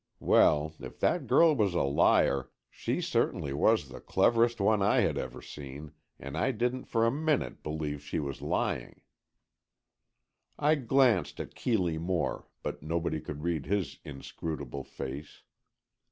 Well, if that girl was a liar, she certainly was the cleverest one I had ever seen, and I didn't for a minute believe she was lying. I glanced at Keeley Moore, but nobody could read his inscrutable face.